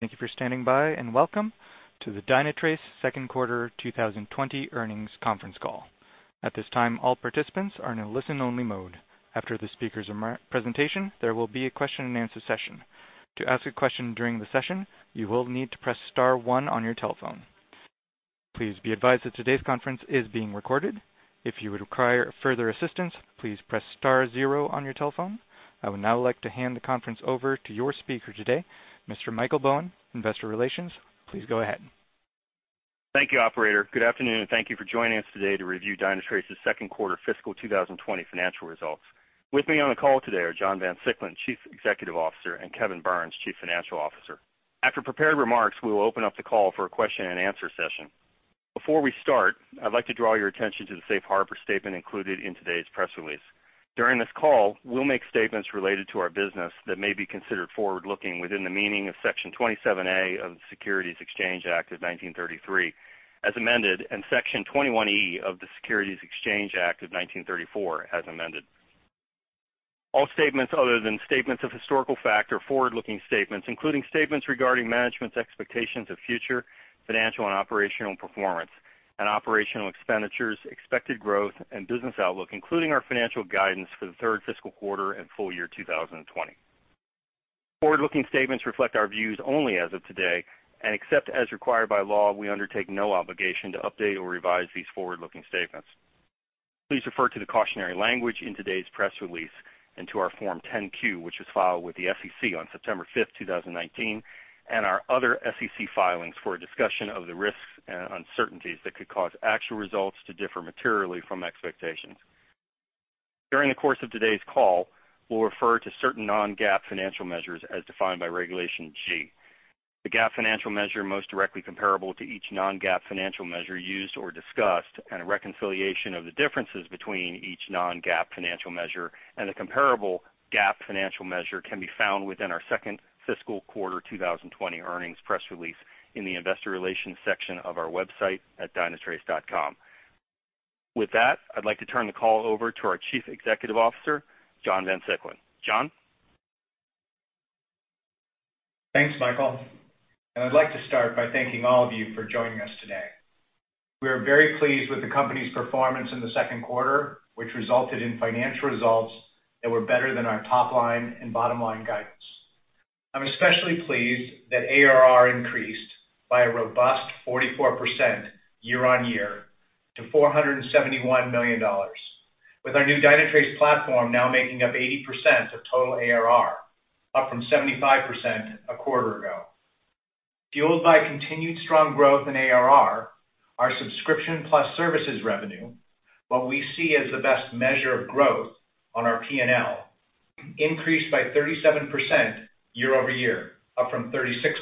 Thank you for standing by, welcome to the Dynatrace second quarter 2020 earnings conference call. At this time, all participants are in a listen only mode. After the speakers' presentation, there will be a question and answer session. To ask a question during the session, you will need to press star one on your telephone. Please be advised that today's conference is being recorded. If you require further assistance, please press star zero on your telephone. I would now like to hand the conference over to your speaker today, Mr. Michael Bowen, investor relations. Please go ahead. Thank you, operator. Good afternoon, and thank you for joining us today to review Dynatrace's second quarter fiscal 2020 financial results. With me on the call today are John Van Siclen, Chief Executive Officer, and Kevin Burns, Chief Financial Officer. After prepared remarks, we will open up the call for a question and answer session. Before we start, I'd like to draw your attention to the safe harbor statement included in today's press release. During this call, we'll make statements related to our business that may be considered forward-looking within the meaning of Section 27A of the Securities Exchange Act of 1933, as amended, and Section 21E of the Securities Exchange Act of 1934, as amended. All statements other than statements of historical fact are forward-looking statements, including statements regarding management's expectations of future financial and operational performance and operational expenditures, expected growth, and business outlook, including our financial guidance for the third fiscal quarter and full year 2020. Except as required by law, we undertake no obligation to update or revise these forward-looking statements. Please refer to the cautionary language in today's press release and to our Form 10-Q, which was filed with the SEC on September fifth, 2019, and our other SEC filings for a discussion of the risks and uncertainties that could cause actual results to differ materially from expectations. During the course of today's call, we'll refer to certain non-GAAP financial measures as defined by Regulation G. The GAAP financial measure most directly comparable to each non-GAAP financial measure used or discussed, and a reconciliation of the differences between each non-GAAP financial measure and the comparable GAAP financial measure can be found within our second fiscal quarter 2020 earnings press release in the investor relations section of our website at dynatrace.com. With that, I'd like to turn the call over to our Chief Executive Officer, John Van Siclen. John? Thanks, Michael, and I'd like to start by thanking all of you for joining us today. We are very pleased with the company's performance in the second quarter, which resulted in financial results that were better than our top-line and bottom-line guidance. I'm especially pleased that ARR increased by a robust 44% year-on-year to $471 million, with our new Dynatrace platform now making up 80% of total ARR, up from 75% a quarter ago. Fueled by continued strong growth in ARR, our subscription plus services revenue, what we see as the best measure of growth on our P&L, increased by 37% year-over-year, up from 36%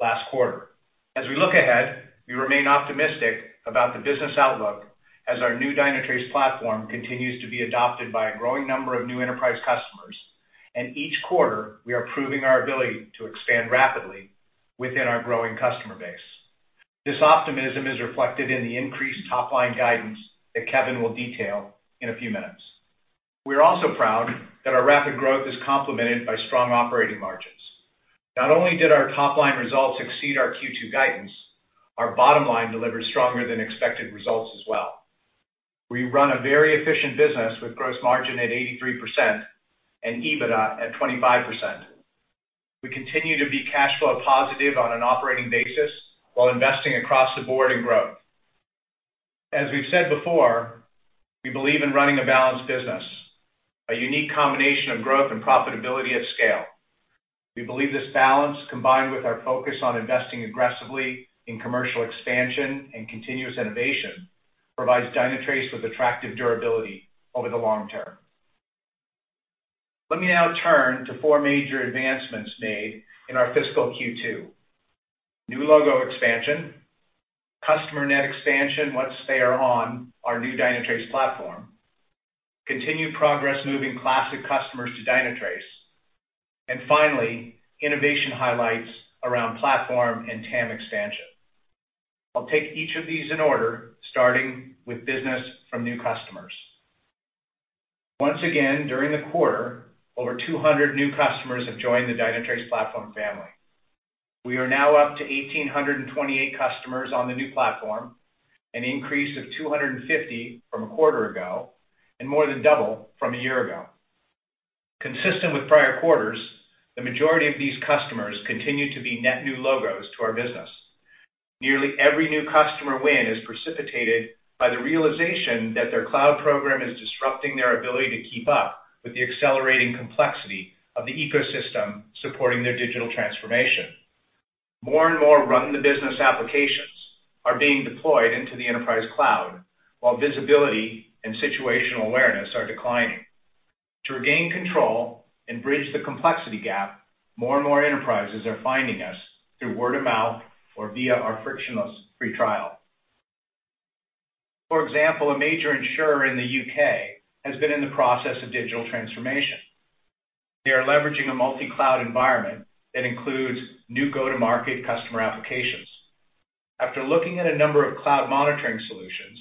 last quarter. As we look ahead, we remain optimistic about the business outlook as our new Dynatrace platform continues to be adopted by a growing number of new enterprise customers. Each quarter, we are proving our ability to expand rapidly within our growing customer base. This optimism is reflected in the increased top-line guidance that Kevin will detail in a few minutes. We're also proud that our rapid growth is complemented by strong operating margins. Not only did our top-line results exceed our Q2 guidance, our bottom line delivered stronger than expected results as well. We run a very efficient business with gross margin at 83% and EBITDA at 25%. We continue to be cash flow positive on an operating basis while investing across the board in growth. As we've said before, we believe in running a balanced business, a unique combination of growth and profitability at scale. We believe this balance, combined with our focus on investing aggressively in commercial expansion and continuous innovation, provides Dynatrace with attractive durability over the long term. Let me now turn to four major advancements made in our fiscal Q2. New logo expansion, customer net expansion once they are on our new Dynatrace platform, continued progress moving classic customers to Dynatrace, finally, innovation highlights around platform and TAM expansion. I'll take each of these in order, starting with business from new customers. Once again, during the quarter, over 200 new customers have joined the Dynatrace platform family. We are now up to 1,828 customers on the new platform, an increase of 250 from a quarter ago and more than double from a year ago. Consistent with prior quarters, the majority of these customers continue to be net new logos to our business. Nearly every new customer win is precipitated by the realization that their cloud program is disrupting their ability to keep up with the accelerating complexity of the ecosystem supporting their digital transformation. More and more run the business applications are being deployed into the enterprise cloud while visibility and situational awareness are declining. To regain control and bridge the complexity gap, more and more enterprises are finding us through word of mouth or via our frictionless free trial. For example, a major insurer in the U.K. has been in the process of digital transformation. They are leveraging a multi-cloud environment that includes new go-to-market customer applications. After looking at a number of cloud monitoring solutions,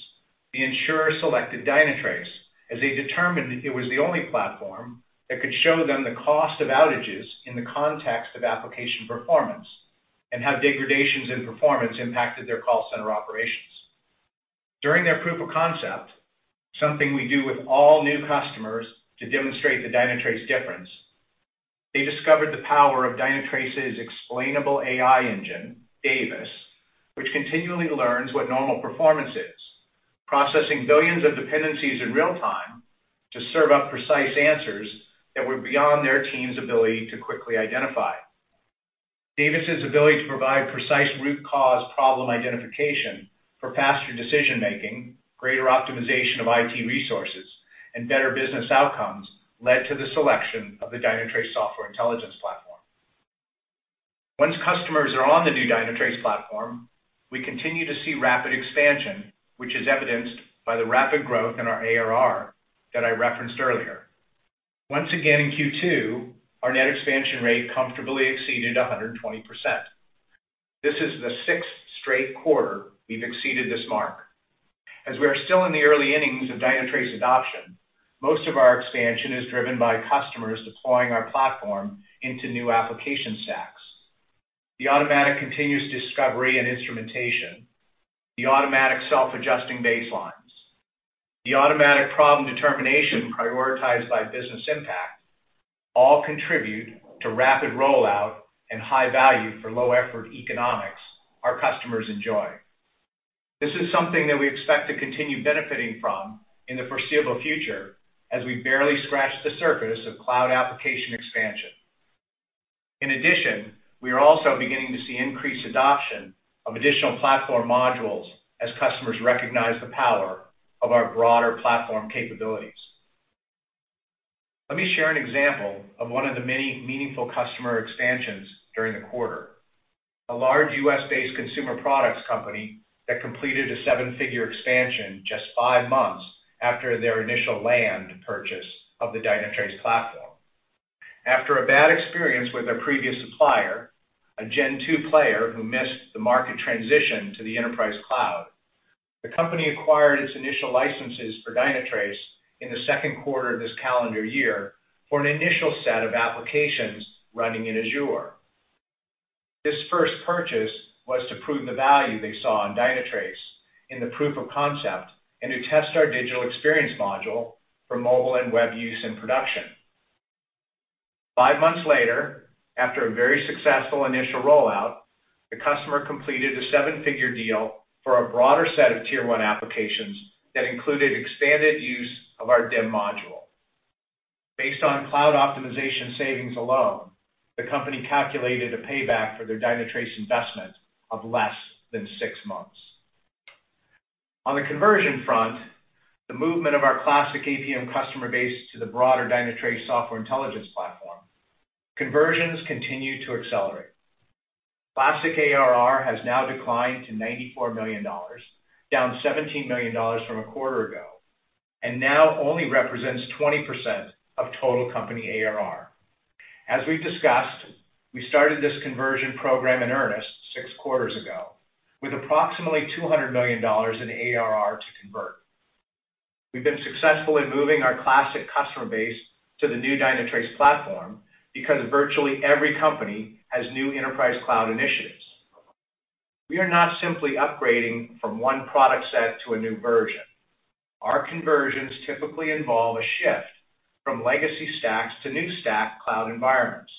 the insurer selected Dynatrace as they determined it was the only platform that could show them the cost of outages in the context of application performance and how degradations in performance impacted their call center operations. During their proof of concept, something we do with all new customers to demonstrate the Dynatrace difference, they discovered the power of Dynatrace's explainable AI engine, Davis, which continually learns what normal performance is, processing billions of dependencies in real time to serve up precise answers that were beyond their team's ability to quickly identify. Davis's ability to provide precise root cause problem identification for faster decision-making, greater optimization of IT resources, and better business outcomes led to the selection of the Dynatrace Software Intelligence Platform. Once customers are on the new Dynatrace platform, we continue to see rapid expansion, which is evidenced by the rapid growth in our ARR that I referenced earlier. Once again, in Q2, our net expansion rate comfortably exceeded 120%. This is the sixth straight quarter we've exceeded this mark. As we are still in the early innings of Dynatrace adoption, most of our expansion is driven by customers deploying our platform into new application stacks. The automatic continuous discovery and instrumentation, the automatic self-adjusting baselines, the automatic problem determination prioritized by business impact all contribute to rapid rollout and high value for low effort economics our customers enjoy. This is something that we expect to continue benefiting from in the foreseeable future as we barely scratch the surface of cloud application expansion. In addition, we are also beginning to see increased adoption of additional platform modules as customers recognize the power of our broader platform capabilities. Let me share an example of one of the many meaningful customer expansions during the quarter. A large U.S.-based consumer products company that completed a $7-figure expansion just five months after their initial land purchase of the Dynatrace platform. After a bad experience with their previous supplier, a Gen 2 player who missed the market transition to the enterprise cloud, the company acquired its initial licenses for Dynatrace in the second quarter of this calendar year for an initial set of applications running in Azure. This first purchase was to prove the value they saw in Dynatrace in the proof of concept, and to test our digital experience module for mobile and web use in production. Five months later, after a very successful initial rollout, the customer completed a seven-figure deal for a broader set of tier 1 applications that included expanded use of our DEM module. Based on cloud optimization savings alone, the company calculated a payback for their Dynatrace investment of less than six months. On the conversion front, the movement of our classic APM customer base to the broader Dynatrace Software Intelligence Platform, conversions continue to accelerate. Classic ARR has now declined to $94 million, down $17 million from a quarter ago, and now only represents 20% of total company ARR. As we've discussed, we started this conversion program in earnest six quarters ago with approximately $200 million in ARR to convert. We've been successful in moving our classic customer base to the new Dynatrace platform because virtually every company has new enterprise cloud initiatives. We are not simply upgrading from one product set to a new version. Our conversions typically involve a shift from legacy stacks to new stack cloud environments,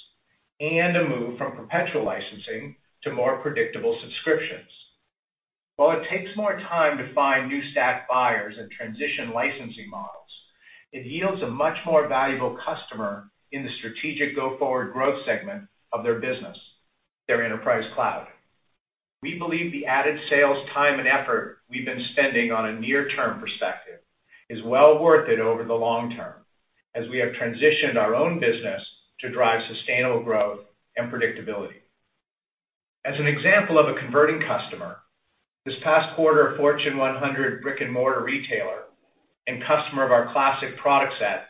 and a move from perpetual licensing to more predictable subscriptions. While it takes more time to find new stack buyers and transition licensing models, it yields a much more valuable customer in the strategic go-forward growth segment of their business, their enterprise cloud. We believe the added sales time and effort we've been spending on a near-term perspective is well worth it over the long term, as we have transitioned our own business to drive sustainable growth and predictability. As an example of a converting customer, this past quarter, a Fortune 100 brick-and-mortar retailer and customer of our classic product set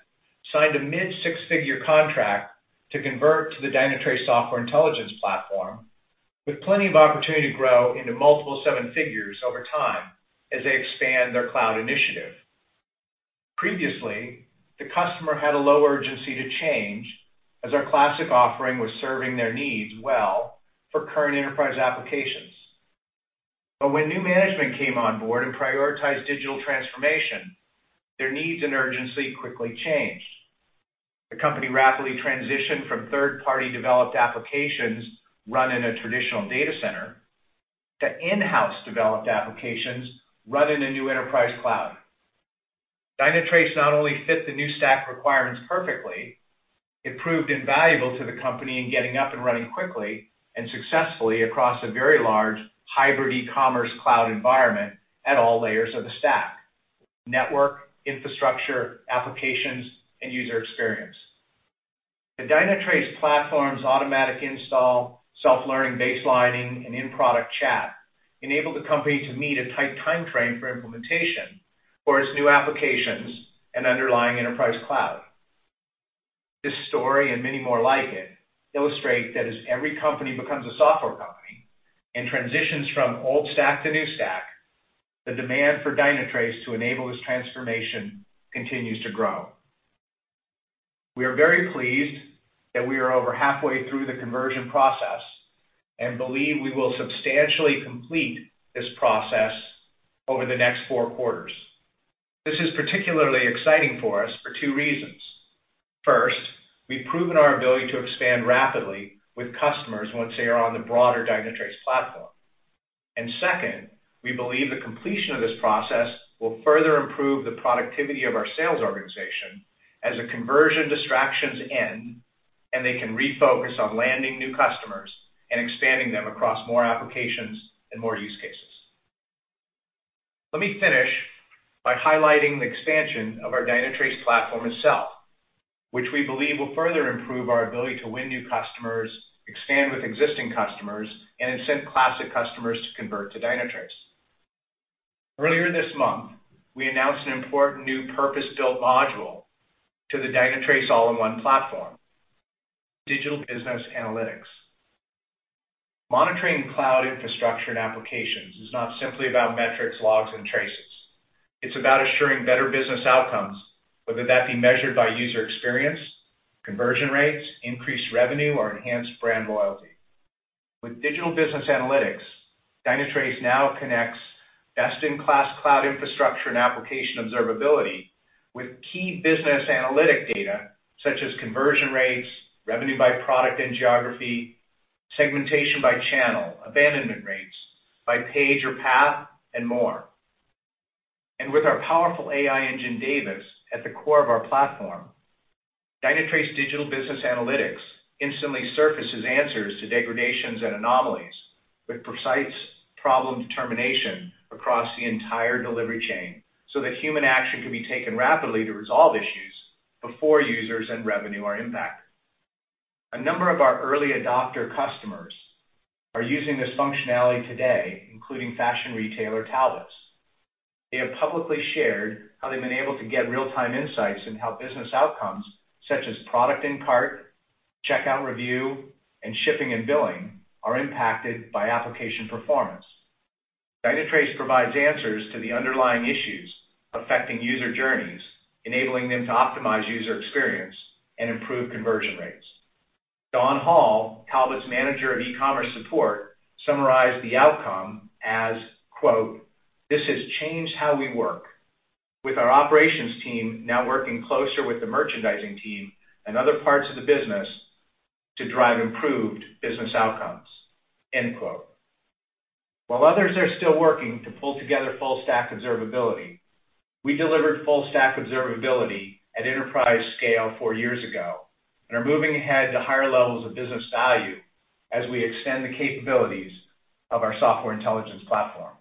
signed a mid six-figure contract to convert to the Dynatrace Software Intelligence Platform with plenty of opportunity to grow into multiple seven figures over time as they expand their cloud initiative. Previously, the customer had a low urgency to change as our classic offering was serving their needs well for current enterprise applications. When new management came on board and prioritized digital transformation, their needs and urgency quickly changed. The company rapidly transitioned from third-party developed applications run in a traditional data center to in-house developed applications run in a new enterprise cloud. Dynatrace not only fit the new stack requirements perfectly, it proved invaluable to the company in getting up and running quickly and successfully across a very large hybrid e-commerce cloud environment at all layers of the stack: network, infrastructure, applications, and user experience. The Dynatrace platform's automatic install, self-learning baselining, and in-product chat enabled the company to meet a tight timeframe for implementation for its new applications and underlying enterprise cloud. This story and many more like it illustrate that as every company becomes a software company and transitions from old stack to new stack, the demand for Dynatrace to enable this transformation continues to grow. We are very pleased that we are over halfway through the conversion process and believe we will substantially complete this process over the next 4 quarters. This is particularly exciting for us for two reasons. First, we've proven our ability to expand rapidly with customers once they are on the broader Dynatrace platform. Second, we believe the completion of this process will further improve the productivity of our sales organization as the conversion distractions end, and they can refocus on landing new customers and expanding them across more applications and more use cases. Let me finish by highlighting the expansion of our Dynatrace platform itself, which we believe will further improve our ability to win new customers, expand with existing customers, and incent classic customers to convert to Dynatrace. Earlier this month, we announced an important new purpose-built module to the Dynatrace all-in-one platform, Digital Business Analytics. Monitoring cloud infrastructure and applications is not simply about metrics, logs, and traces. It's about assuring better business outcomes, whether that be measured by user experience, conversion rates, increased revenue, or enhanced brand loyalty. With Digital Business Analytics, Dynatrace now connects best-in-class cloud infrastructure and application observability with key business analytic data such as conversion rates, revenue by product and geography, segmentation by channel, abandonment rates by page or path, and more. With our powerful AI engine, Davis, at the core of our platform, Dynatrace Digital Business Analytics instantly surfaces answers to degradations and anomalies with precise problem determination across the entire delivery chain, so that human action can be taken rapidly to resolve issues before users and revenue are impacted. A number of our early adopter customers are using this functionality today, including fashion retailer, Talbots. They have publicly shared how they've been able to get real-time insights into how business outcomes such as product in cart, checkout review, and shipping and billing, are impacted by application performance. Dynatrace provides answers to the underlying issues affecting user journeys, enabling them to optimize user experience and improve conversion rates. Dawn Hall, Talbots' Manager of E-commerce Support, summarized the outcome as, quote, "This has changed how we work. With our operations team now working closer with the merchandising team and other parts of the business to drive improved business outcomes." End quote. While others are still working to pull together full-stack observability, we delivered full-stack observability at enterprise scale four years ago and are moving ahead to higher levels of business value as we extend the capabilities of our software intelligence platform.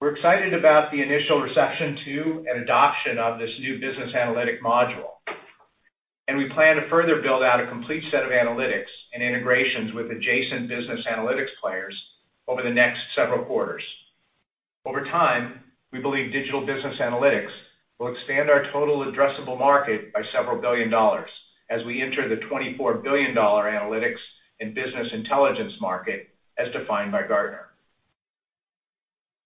We're excited about the initial reception to and adoption of this new Business Analytic Module. We plan to further build out a complete set of analytics and integrations with adjacent business analytics players over the next several quarters. Over time, we believe Digital Business Analytics will expand our total addressable market by several billion dollars as we enter the $24 billion analytics and business intelligence market, as defined by Gartner.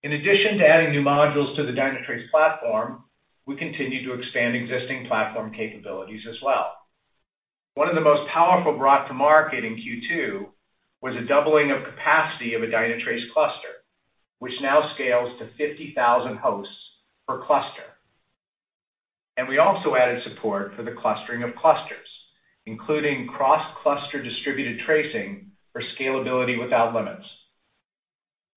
In addition to adding new modules to the Dynatrace platform, we continue to expand existing platform capabilities as well. One of the most powerful brought to market in Q2 was a doubling of capacity of a Dynatrace cluster, which now scales to 50,000 hosts per cluster. We also added support for the clustering of clusters, including cross-cluster distributed tracing for scalability without limits.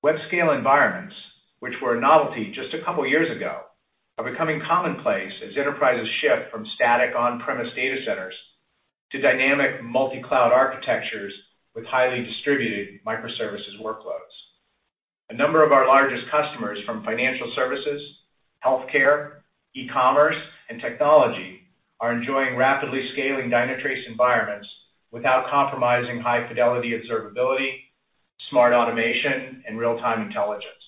Web scale environments, which were a novelty just a couple of years ago, are becoming commonplace as enterprises shift from static on-premise data centers to dynamic multi-cloud architectures with highly distributed microservices workloads. A number of our largest customers from financial services, healthcare, e-commerce, and technology are enjoying rapidly scaling Dynatrace environments without compromising high-fidelity observability, smart automation, and real-time intelligence.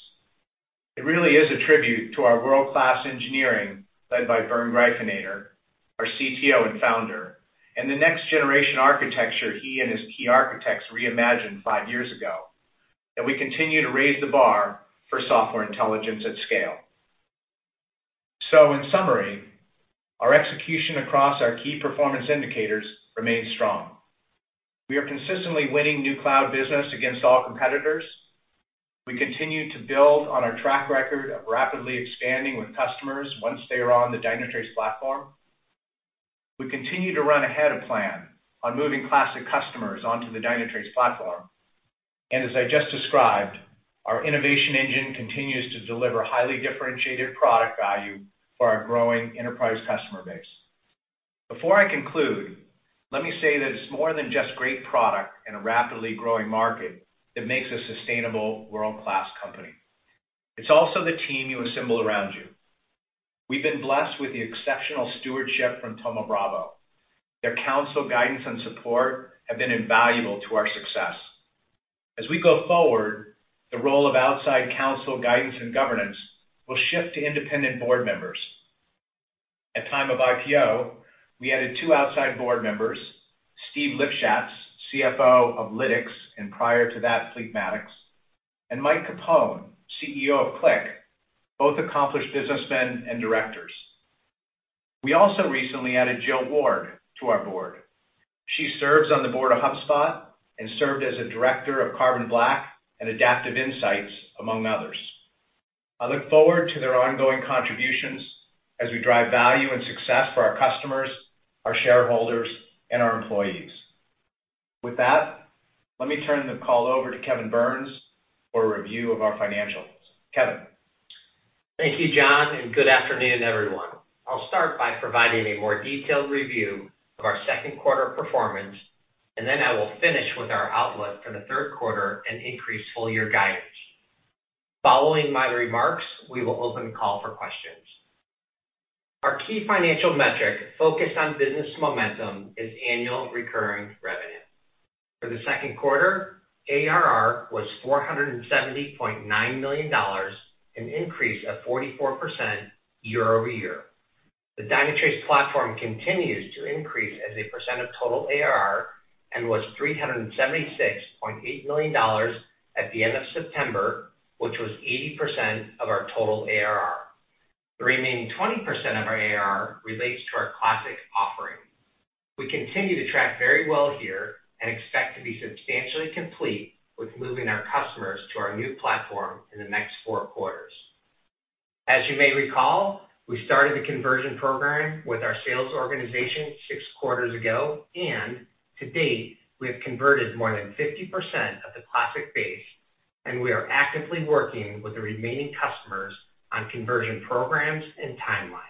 It really is a tribute to our world-class engineering led by Bernd Greifeneder, our CTO and founder, and the next-generation architecture he and his key architects reimagined five years ago, that we continue to raise the bar for software intelligence at scale. In summary, our execution across our key performance indicators remains strong. We are consistently winning new cloud business against all competitors. We continue to build on our track record of rapidly expanding with customers once they are on the Dynatrace platform. We continue to run ahead of plan on moving classic customers onto the Dynatrace platform. As I just described, our innovation engine continues to deliver highly differentiated product value for our growing enterprise customer base. Before I conclude, let me say that it's more than just great product in a rapidly growing market that makes a sustainable world-class company. It's also the team you assemble around you. We've been blessed with the exceptional stewardship from Thoma Bravo. Their counsel, guidance, and support have been invaluable to our success. As we go forward, the role of outside counsel guidance and governance will shift to independent board members. At time of IPO, we added two outside board members, Steve Lipschutz, CFO of Lytx, and prior to that, Fleetmatics, and Mike Capone, CEO of Qlik, both accomplished businessmen and directors. We also recently added Jill Ward to our board. She serves on the board of HubSpot and served as a director of Carbon Black and Adaptive Insights, among others. I look forward to their ongoing contributions as we drive value and success for our customers, our shareholders, and our employees. With that, let me turn the call over to Kevin Burns for a review of our financials. Kevin? Thank you, John. Good afternoon, everyone. I'll start by providing a more detailed review of our second quarter performance, and then I will finish with our outlook for the third quarter and increased full-year guidance. Following my remarks, we will open the call for questions. Our key financial metric focused on business momentum is annual recurring revenue. For the second quarter, ARR was $470.9 million, an increase of 44% year-over-year. The Dynatrace platform continues to increase as a percent of total ARR and was $376.8 million at the end of September, which was 80% of our total ARR. The remaining 20% of our ARR relates to our classic offering. We continue to track very well here and expect to be substantially complete with moving our customers to our new platform in the next four quarters. As you may recall, we started the conversion program with our sales organization six quarters ago, and to date, we have converted more than 50% of the classic base, and we are actively working with the remaining customers on conversion programs and timelines.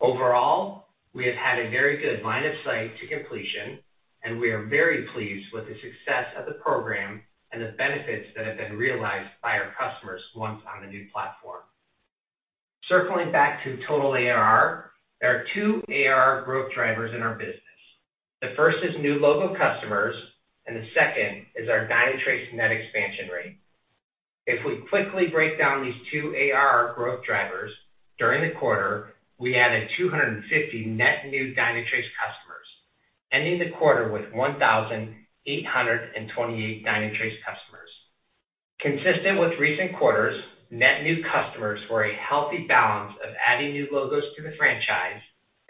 Overall, we have had a very good line of sight to completion, and we are very pleased with the success of the program and the benefits that have been realized by our customers once on the new platform. Circling back to total ARR, there are two ARR growth drivers in our business. The first is new logo customers, and the second is our Dynatrace net expansion rate. If we quickly break down these two ARR growth drivers, during the quarter, we added 250 net new Dynatrace customers, ending the quarter with 1,828 Dynatrace customers. Consistent with recent quarters, net new customers were a healthy balance of adding new logos to the franchise,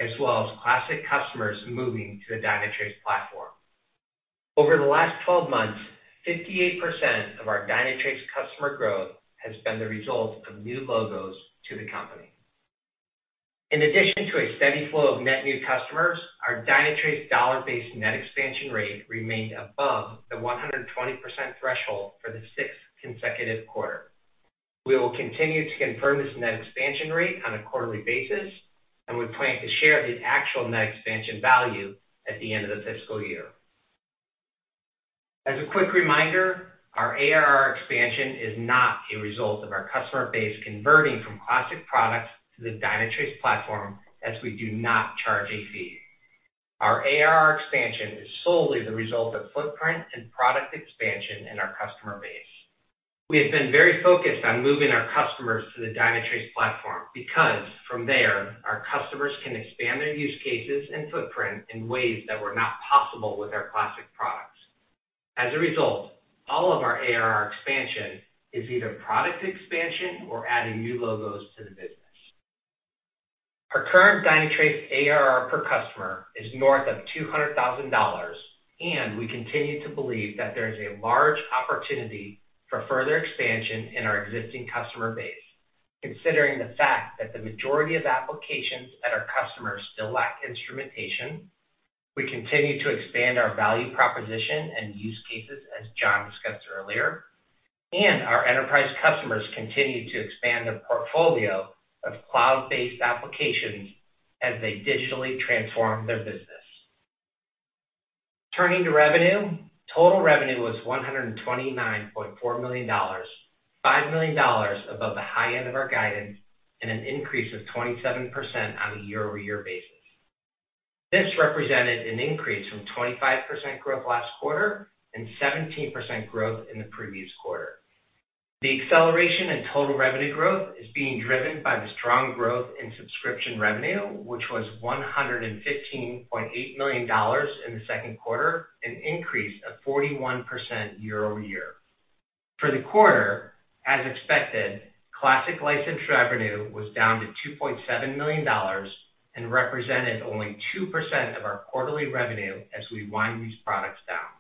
as well as classic customers moving to a Dynatrace platform. Over the last 12 months, 58% of our Dynatrace customer growth has been the result of new logos to the company. In addition to a steady flow of net new customers, our Dynatrace dollar-based net expansion rate remained above the 120% threshold for the 6th consecutive quarter. We will continue to confirm this net expansion rate on a quarterly basis, and we plan to share the actual net expansion value at the end of the fiscal year. As a quick reminder, our ARR expansion is not a result of our customer base converting from classic products to the Dynatrace platform, as we do not charge a fee. Our ARR expansion is solely the result of footprint and product expansion in our customer base. We have been very focused on moving our customers to the Dynatrace platform because from there, our customers can expand their use cases and footprint in ways that were not possible with our classic products. As a result, all of our ARR expansion is either product expansion or adding new logos to the business. Our current Dynatrace ARR per customer is north of $200,000, and we continue to believe that there is a large opportunity for further expansion in our existing customer base. Considering the fact that the majority of applications at our customers still lack instrumentation, we continue to expand our value proposition and use cases as John discussed earlier, and our enterprise customers continue to expand their portfolio of cloud-based applications as they digitally transform their business. Turning to revenue, total revenue was $129.4 million, $5 million above the high end of our guidance and an increase of 27% on a year-over-year basis. This represented an increase from 25% growth last quarter and 17% growth in the previous quarter. The acceleration in total revenue growth is being driven by the strong growth in subscription revenue, which was $115.8 million in the second quarter, an increase of 41% year-over-year. For the quarter, as expected, classic license revenue was down to $2.7 million and represented only 2% of our quarterly revenue as we wind these products down.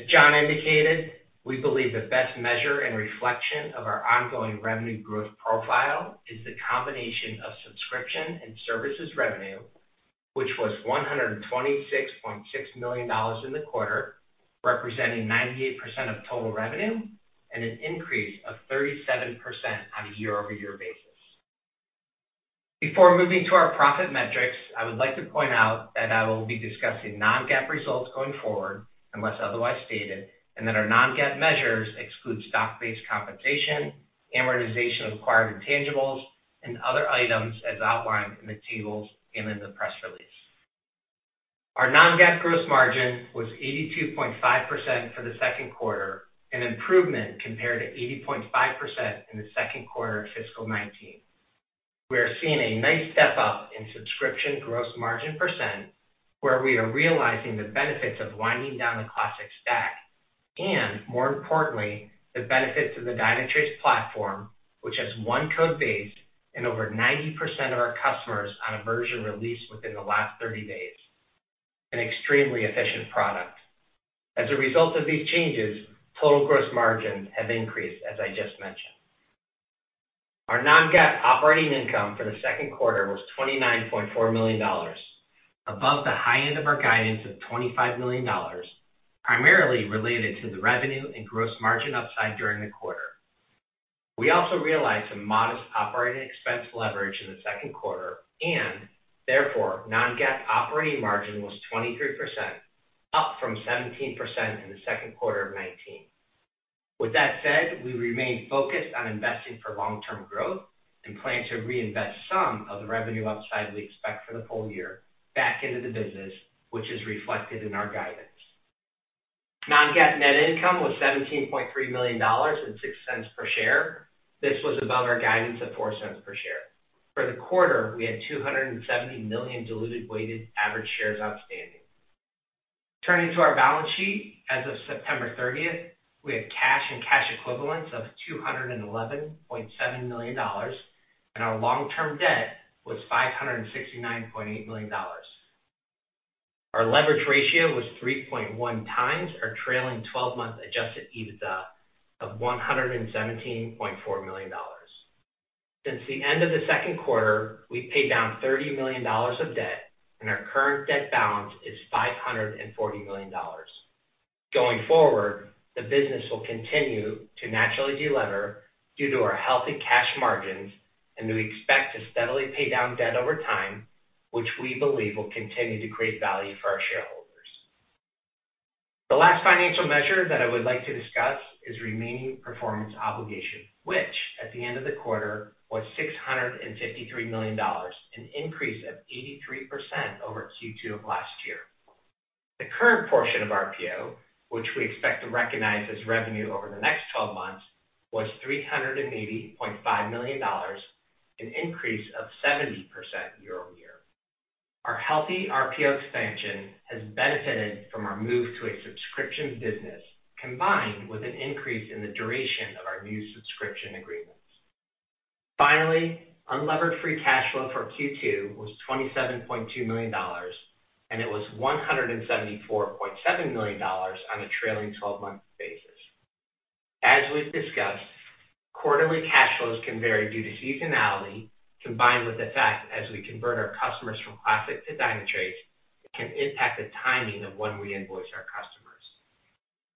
As John indicated, we believe the best measure and reflection of our ongoing revenue growth profile is the combination of subscription and services revenue, which was $126.6 million in the quarter, representing 98% of total revenue and an increase of 37% on a year-over-year basis. Before moving to our profit metrics, I would like to point out that I will be discussing non-GAAP results going forward, unless otherwise stated, and that our non-GAAP measures exclude stock-based compensation, amortization of acquired intangibles, and other items as outlined in the tables in the press release. Our non-GAAP gross margin was 82.5% for the second quarter, an improvement compared to 80.5% in the second quarter of fiscal 2019. We are seeing a nice step-up in subscription gross margin percent, where we are realizing the benefits of winding down the classic stack and, more importantly, the benefits of the Dynatrace platform, which has one code base and over 90% of our customers on a version released within the last 30 days, an extremely efficient product. As a result of these changes, total gross margins have increased, as I just mentioned. Our non-GAAP operating income for the second quarter was $29.4 million, above the high end of our guidance of $25 million, primarily related to the revenue and gross margin upside during the quarter. We also realized some modest operating expense leverage in the second quarter, and therefore, non-GAAP operating margin was 23%, up from 17% in the second quarter of 2019. With that said, we remain focused on investing for long-term growth and plan to reinvest some of the revenue upside we expect for the full year back into the business, which is reflected in our guidance. non-GAAP net income was $17.3 million, and $0.06 per share. This was above our guidance of $0.04 per share. For the quarter, we had 270 million diluted weighted average shares outstanding. Turning to our balance sheet, as of September 30th, we had cash and cash equivalents of $211.7 million, and our long-term debt was $569.8 million. Our leverage ratio was 3.1 times our trailing 12-month adjusted EBITDA of $117.4 million. Since the end of the second quarter, we've paid down $30 million of debt, and our current debt balance is $540 million. Going forward, the business will continue to naturally de-lever due to our healthy cash margins, and we expect to steadily pay down debt over time, which we believe will continue to create value for our shareholders. The last financial measure that I would like to discuss is remaining performance obligation, which at the end of the quarter was $653 million, an increase of 83% over Q2 of last year. The current portion of RPO, which we expect to recognize as revenue over the next 12 months, was $380.5 million, an increase of 70% year-over-year. Our healthy RPO expansion has benefited from our move to a subscription business, combined with an increase in the duration of our new subscription agreements. Finally, unlevered free cash flow for Q2 was $27.2 million, and it was $174.7 million on a trailing 12-month basis. As we've discussed, quarterly cash flows can vary due to seasonality, combined with the fact as we convert our customers from classic to Dynatrace, it can impact the timing of when we invoice our customers.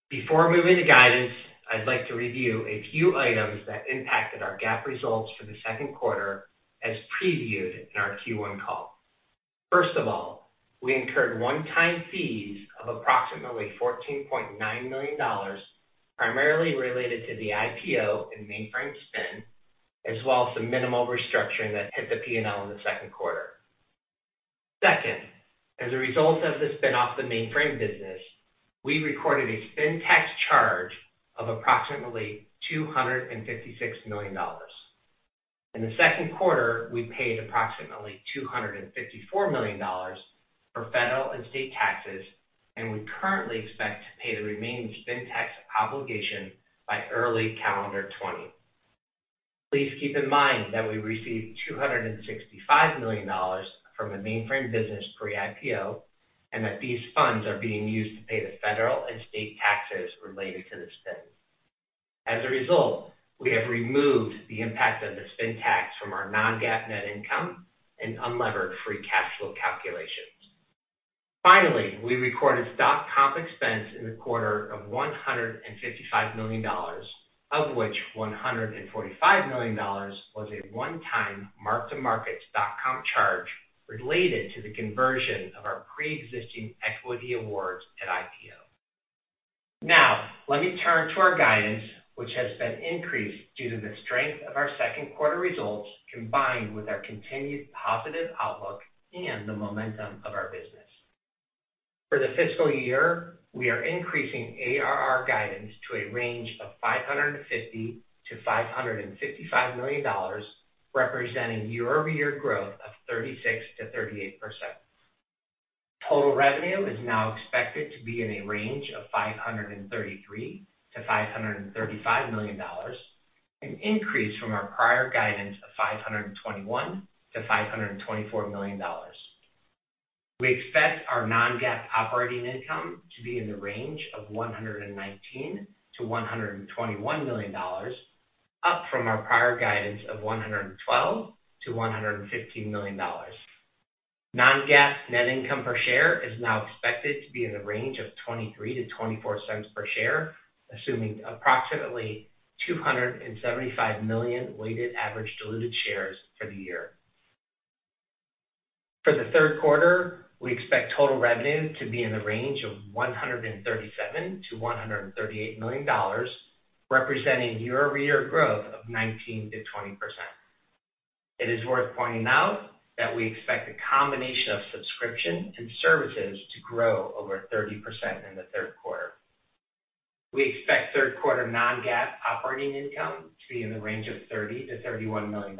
Before moving to guidance, I'd like to review a few items that impacted our GAAP results for the second quarter as previewed in our Q1 call. First of all, we incurred one-time fees of approximately $14.9 million, primarily related to the IPO and mainframe spin, as well as some minimal restructuring that hit the P&L in the second quarter. Second, as a result of the spin-off the mainframe business, we recorded a spin tax charge of approximately $256 million. In the second quarter, we paid approximately $254 million for federal and state taxes, and we currently expect to pay the remaining spin tax obligation by early calendar 2020. Please keep in mind that we received $265 million from the mainframe business pre-IPO, and that these funds are being used to pay the federal and state taxes related to the spin. As a result, we have removed the impact of the spin tax from our non-GAAP net income and unlevered free cash flow calculations. Finally, we recorded stock comp expense in the quarter of $155 million, of which $145 million was a one-time mark-to-market stock comp charge related to the conversion of our preexisting equity awards at IPO. Let me turn to our guidance, which has been increased due to the strength of our second quarter results, combined with our continued positive outlook and the momentum of our business. For the fiscal year, we are increasing ARR guidance to a range of $550 million-$555 million, representing year-over-year growth of 36%-38%. Total revenue is now expected to be in a range of $533 million-$535 million, an increase from our prior guidance of $521 million-$524 million. We expect our non-GAAP operating income to be in the range of $119 million-$121 million, up from our prior guidance of $112 million-$115 million. Non-GAAP net income per share is now expected to be in the range of $0.23-$0.24 per share, assuming approximately 275 million weighted average diluted shares for the year. For the third quarter, we expect total revenue to be in the range of $137 million-$138 million, representing year-over-year growth of 19%-20%. It is worth pointing out that we expect a combination of subscription and services to grow over 30% in the third quarter. We expect third quarter non-GAAP operating income to be in the range of $30 million-$31 million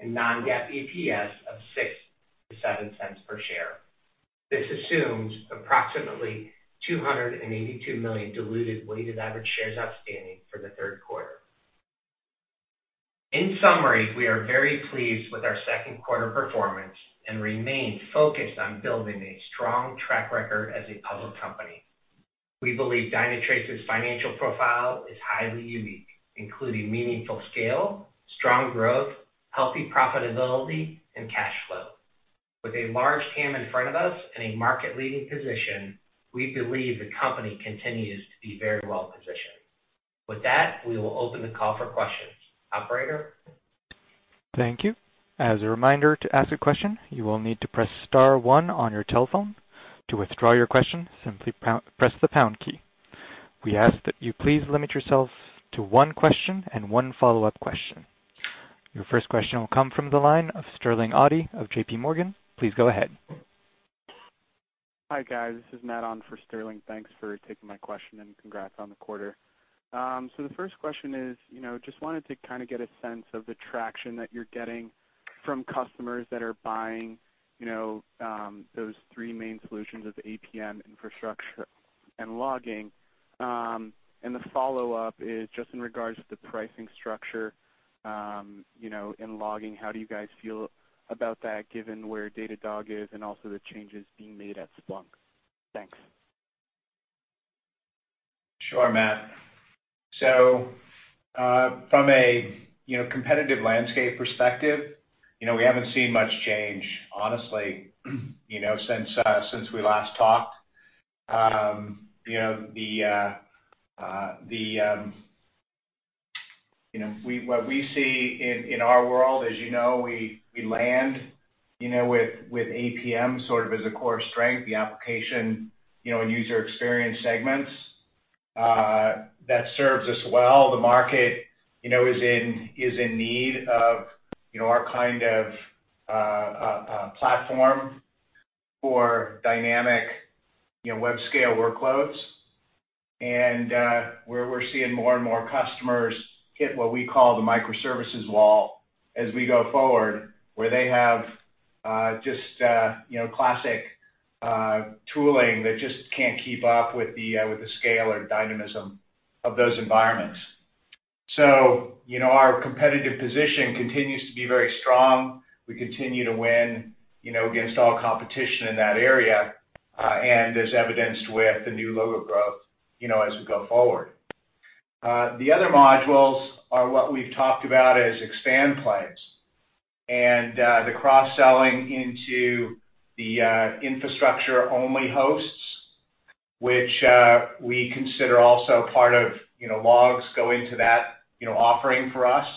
and non-GAAP EPS of $0.06-$0.07 per share. This assumes approximately 282 million diluted weighted average shares outstanding for the third quarter. In summary, we are very pleased with our second quarter performance and remain focused on building a strong track record as a public company. We believe Dynatrace's financial profile is highly unique, including meaningful scale, strong growth, healthy profitability and cash flow. With a large TAM in front of us and a market-leading position, we believe the company continues to be very well-positioned. With that, we will open the call for questions. Operator? Thank you. As a reminder, to ask a question, you will need to press *1 on your telephone. To withdraw your question, simply press the # key. We ask that you please limit yourself to one question and one follow-up question. Your first question will come from the line of Sterling Auty of JPMorgan. Please go ahead. Hi, guys. This is Matt on for Sterling. Thanks for taking my question and congrats on the quarter. The first question is, just wanted to kind of get a sense of the traction that you're getting from customers that are buying those three main solutions of APM infrastructure and logging. The follow-up is just in regards to the pricing structure in logging, how do you guys feel about that given where Datadog is and also the changes being made at Splunk? Thanks. Sure, Matt. From a competitive landscape perspective, we haven't seen much change, honestly, since we last talked. What we see in our world, as you know, we land with APM sort of as a core strength, the application and user experience segments. That serves us well. The market is in need of our kind of platform for dynamic web scale workloads and where we're seeing more and more customers hit what we call the microservices wall as we go forward, where they have just classic tooling that just can't keep up with the scale or dynamism of those environments. Our competitive position continues to be very strong. We continue to win against all competition in that area, and as evidenced with the new logo growth, as we go forward. The other modules are what we've talked about as expand plays, and the cross-selling into the infrastructure-only hosts, which we consider also part of logs go into that offering for us,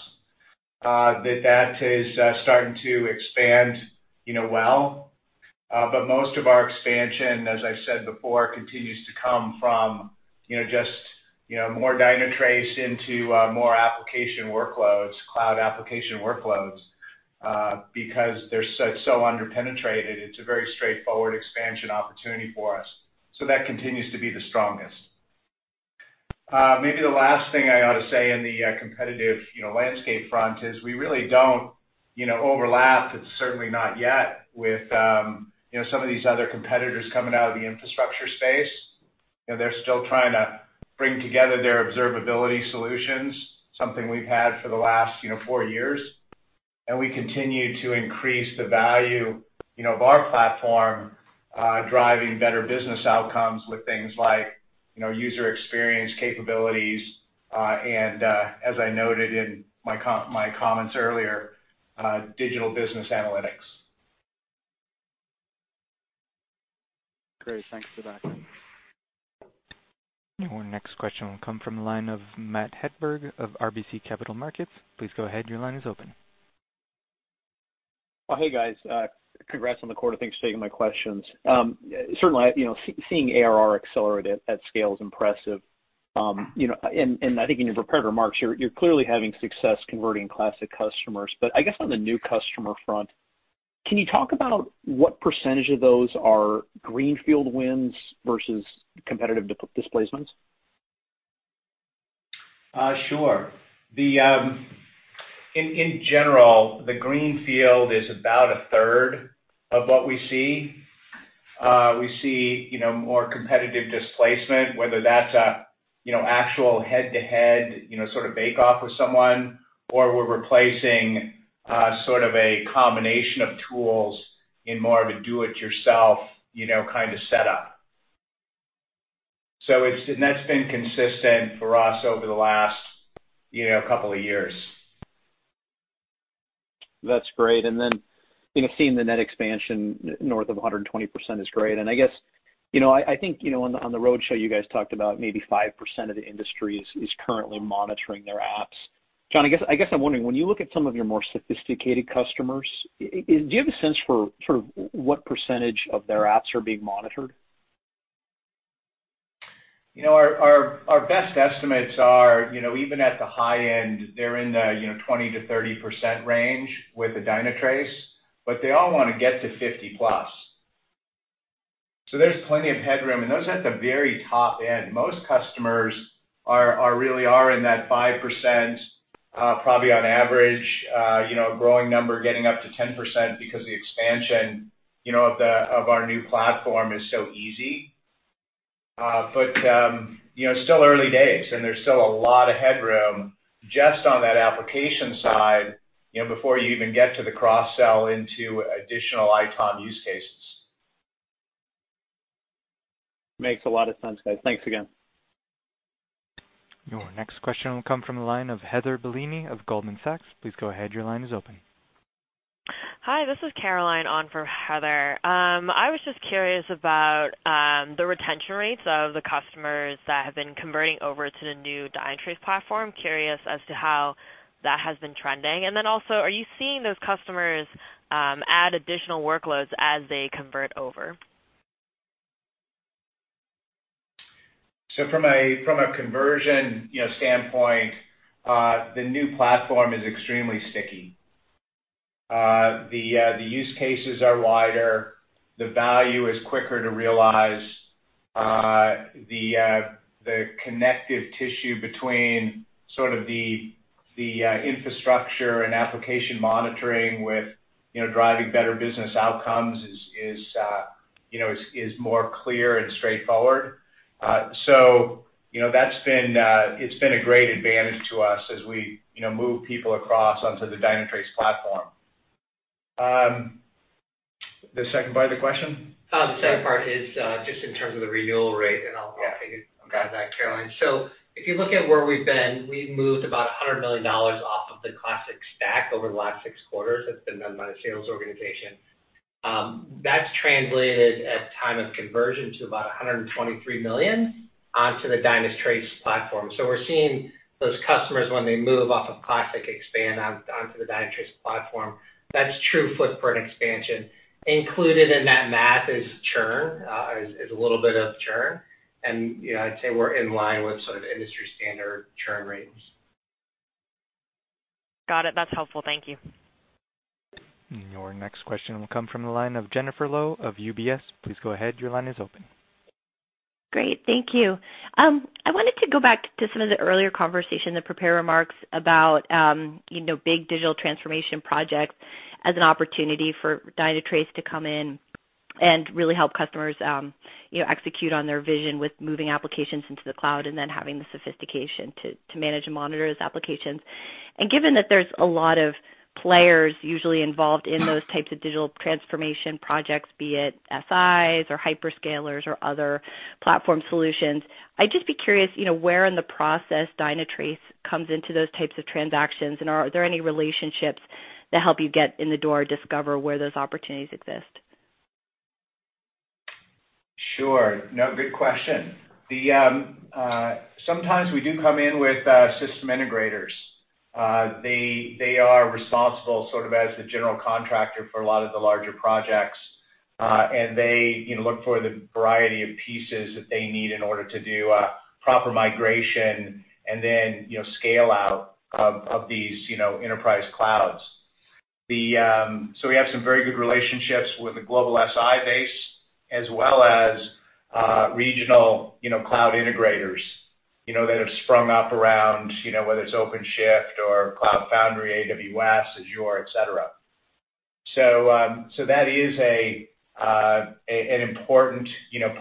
that is starting to expand well. Most of our expansion, as I've said before, continues to come from just more Dynatrace into more application workloads, cloud application workloads, because they're so under-penetrated, it's a very straightforward expansion opportunity for us. That continues to be the strongest. Maybe the last thing I ought to say in the competitive landscape front is we really don't overlap, certainly not yet, with some of these other competitors coming out of the infrastructure space. They're still trying to bring together their observability solutions, something we've had for the last four years. We continue to increase the value of our platform, driving better business outcomes with things like user experience capabilities and, as I noted in my comments earlier, Digital Business Analytics. Great. Thanks for that. Your next question will come from the line of Matthew Hedberg of RBC Capital Markets. Please go ahead. Your line is open. Well, hey, guys. Congrats on the quarter. Thanks for taking my questions. Certainly, seeing ARR accelerate at scale is impressive. I think in your prepared remarks, you're clearly having success converting classic customers. I guess on the new customer front, can you talk about what percentage of those are greenfield wins versus competitive displacements? Sure. In general, the greenfield is about a third of what we see. We see more competitive displacement, whether that's a actual head-to-head sort of bake off with someone or we're replacing sort of a combination of tools in more of a do it yourself kind of setup. That's been consistent for us over the last couple of years. That's great. Seeing the net expansion north of 120% is great. I think on the roadshow, you guys talked about maybe 5% of the industry is currently monitoring their apps. John, I guess I'm wondering, when you look at some of your more sophisticated customers, do you have a sense for what percentage of their apps are being monitored? Our best estimates are even at the high end, they're in the 20%-30% range with the Dynatrace. They all want to get to 50+. There's plenty of headroom, and those are at the very top end. Most customers really are in that 5%, probably on average, a growing number getting up to 10% because the expansion of our new platform is so easy. It's still early days, and there's still a lot of headroom just on that application side, before you even get to the cross-sell into additional ITOM use cases. Makes a lot of sense, guys. Thanks again. Your next question will come from the line of Heather Bellini of Goldman Sachs. Please go ahead. Your line is open. Hi, this is Caroline on for Heather. I was just curious about the retention rates of the customers that have been converting over to the new Dynatrace platform, curious as to how that has been trending. Also, are you seeing those customers add additional workloads as they convert over? From a conversion standpoint, the new platform is extremely sticky. The use cases are wider. The value is quicker to realize. The connective tissue between sort of the infrastructure and application monitoring with driving better business outcomes is more clear and straightforward. It's been a great advantage to us as we move people across onto the Dynatrace platform. The second part of the question? The second part is just in terms of the renewal rate, I'll take it back, Caroline. If you look at where we've been, we've moved about $100 million off of the Classic stack over the last six quarters. That's been done by the sales organization. That's translated at time of conversion to about $123 million onto the Dynatrace platform. We're seeing those customers, when they move off of Classic, expand onto the Dynatrace platform. That's true footprint expansion. Included in that math is churn, is a little bit of churn. I'd say we're in line with sort of industry-standard churn rates. Got it. That's helpful. Thank you. Your next question will come from the line of Jennifer Lowe of UBS. Please go ahead. Your line is open. Great. Thank you. I wanted to go back to some of the earlier conversation, the prepared remarks about big digital transformation projects as an opportunity for Dynatrace to come in and really help customers execute on their vision with moving applications into the cloud and then having the sophistication to manage and monitor those applications. Given that there's a lot of players usually involved in those types of digital transformation projects, be it SIs or hyperscalers or other platform solutions, I'd just be curious where in the process Dynatrace comes into those types of transactions, and are there any relationships that help you get in the door or discover where those opportunities exist? Sure. Good question. Sometimes we do come in with system integrators. They are responsible sort of as the general contractor for a lot of the larger projects. They look for the variety of pieces that they need in order to do a proper migration and then scale-out of these enterprise clouds. We have some very good relationships with the global SI base as well as regional cloud integrators that have sprung up around, whether it's OpenShift or Cloud Foundry, AWS, Azure, et cetera. That is an important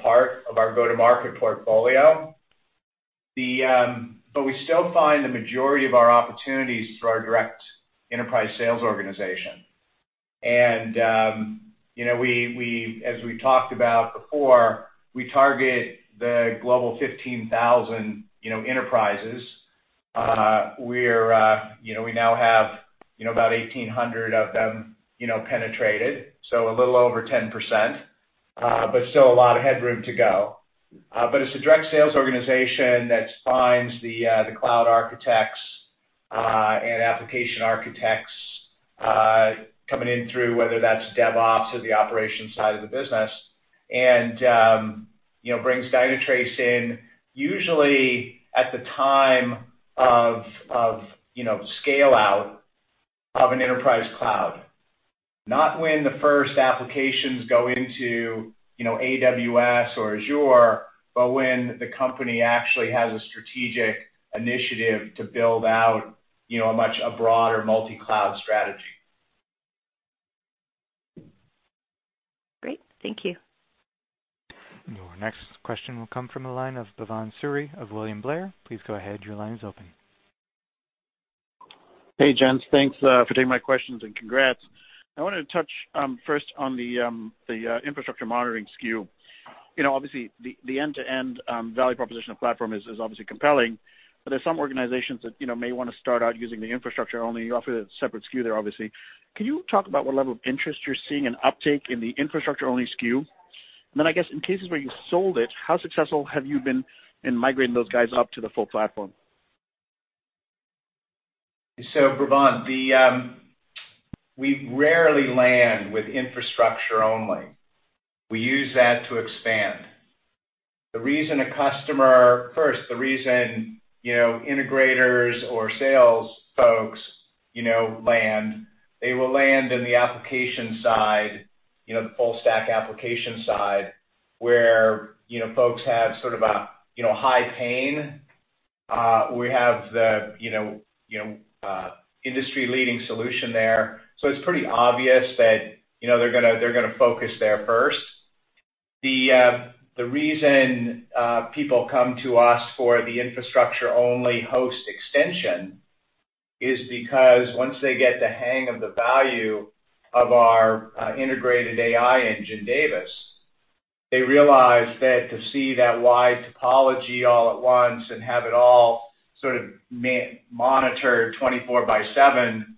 part of our go-to-market portfolio. We still find the majority of our opportunities through our direct enterprise sales organization. As we talked about before, we target the global 15,000 enterprises. We now have about 1,800 of them penetrated, so a little over 10%, but still a lot of headroom to go. It's the direct sales organization that finds the cloud architects and application architects coming in through, whether that's DevOps or the operations side of the business, and brings Dynatrace in usually at the time of scale-out of an enterprise cloud, not when the first applications go into AWS or Azure, but when the company actually has a strategic initiative to build out a much broader multi-cloud strategy. Great. Thank you. Your next question will come from the line of Bhavan Suri of William Blair. Please go ahead. Your line is open. Hey, gents. Thanks for taking my questions and congrats. I wanted to touch first on the infrastructure monitoring SKU. The end-to-end value proposition of Platform is obviously compelling, but there's some organizations that may want to start out using the infrastructure only. You offer the separate SKU there, obviously. Can you talk about what level of interest you're seeing and uptake in the infrastructure-only SKU? I guess in cases where you sold it, how successful have you been in migrating those guys up to the full Platform? Bhavan, we rarely land with infrastructure only. We use that to expand. First, the reason integrators or sales folks land, they will land in the application side, the full stack application side, where folks have sort of a high pain. We have the industry-leading solution there. It's pretty obvious that they're going to focus there first. The reason people come to us for the infrastructure-only host extension is because once they get the hang of the value of our integrated AI engine, Davis, they realize that to see that wide topology all at once and have it all sort of monitored 24 by seven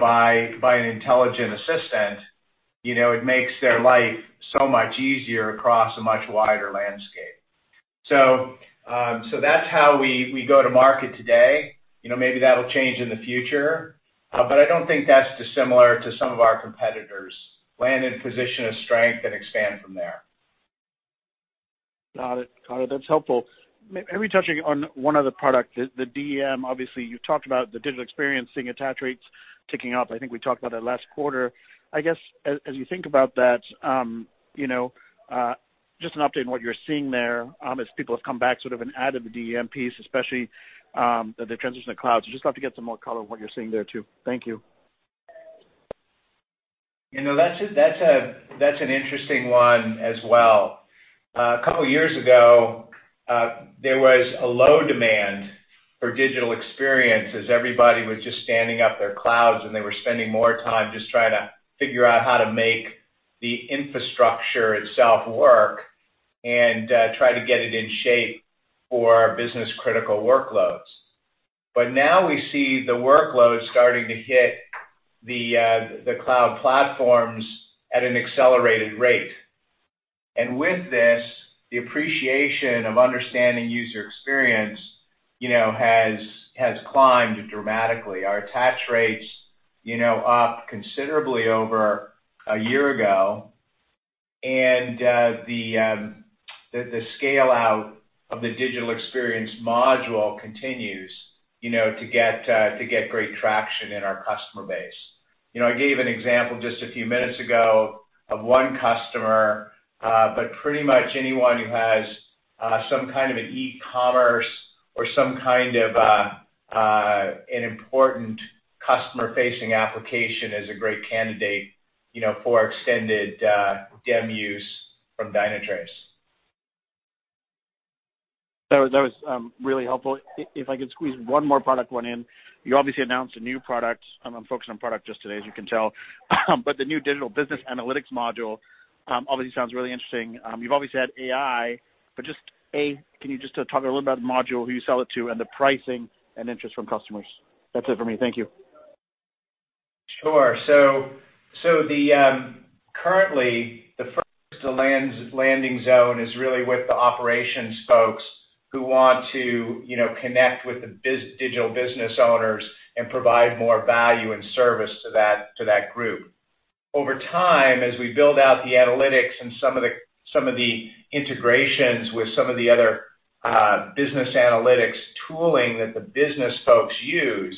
by an intelligent assistant, it makes their life so much easier across a much wider landscape. That's how we go to market today. Maybe that'll change in the future, but I don't think that's dissimilar to some of our competitors. Land in a position of strength and expand from there. Got it. That's helpful. Maybe touching on one other product, the DEM. Obviously, you talked about the digital experience, seeing attach rates ticking up. I think we talked about it last quarter. I guess, as you think about that, just an update on what you're seeing there as people have come back sort of and added the DEM piece, especially, the transition to cloud. Just love to get some more color on what you're seeing there, too. Thank you. That's an interesting one as well. A couple of years ago, there was a low demand for Digital Experience as everybody was just standing up their clouds, and they were spending more time just trying to figure out how to make the infrastructure itself work and try to get it in shape for business-critical workloads. Now we see the workloads starting to hit the cloud platforms at an accelerated rate. With this, the appreciation of understanding user experience has climbed dramatically. Our attach rates up considerably over a year ago, and the scale-out of the Digital Experience Monitoring module continues to get great traction in our customer base. I gave an example just a few minutes ago of one customer, but pretty much anyone who has some kind of an e-commerce or some kind of an important customer-facing application is a great candidate for extended DEM use from Dynatrace. That was really helpful. If I could squeeze one more product one in. You obviously announced a new product. I'm focusing on product just today, as you can tell. The new Digital Business Analytics module obviously sounds really interesting. You've obviously had AI, can you just talk a little about the module, who you sell it to, and the pricing and interest from customers? That's it for me. Thank you. Sure. Currently, the first landing zone is really with the operations folks who want to connect with the digital business owners and provide more value and service to that group. Over time, as we build out the analytics and some of the integrations with some of the other business analytics tooling that the business folks use,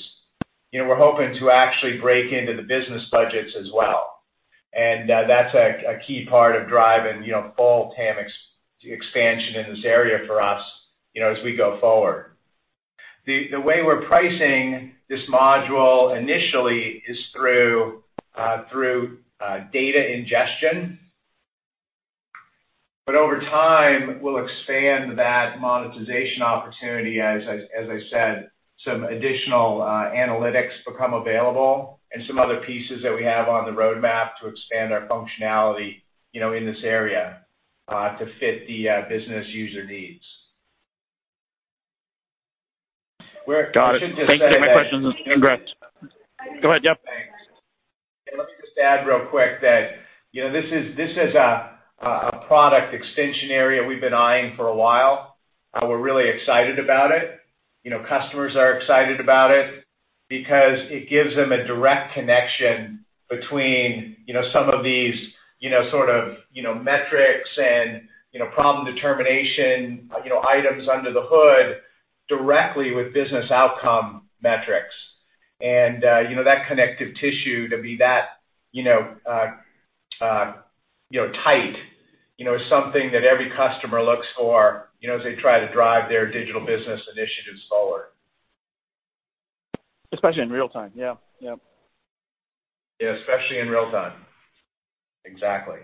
we're hoping to actually break into the business budgets as well. That's a key part of driving full TAM expansion in this area for us, as we go forward. The way we're pricing this module initially is through data ingestion. Over time, we'll expand that monetization opportunity as I said, some additional analytics become available and some other pieces that we have on the roadmap to expand our functionality in this area, to fit the business user needs. Got it. I should just say that- Thank you for my questions, and congrats. Go ahead, yep. Thanks. Let me just add real quick that this is a product extension area we've been eyeing for a while. We're really excited about it. Customers are excited about it because it gives them a direct connection between some of these sort of metrics and problem determination items under the hood directly with business outcome metrics. That connective tissue to be that tight, is something that every customer looks for as they try to drive their digital business initiatives forward. Especially in real-time. Yeah. Yeah, especially in real time. Exactly.